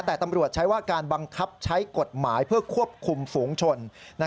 แต่ตำรวจใช้ว่าการบังคับใช้กฎหมายเพื่อควบคุมฝูงชน